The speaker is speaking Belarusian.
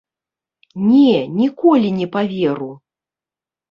Не, ніколі не паверу!